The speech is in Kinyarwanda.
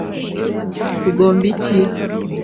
tugomba iki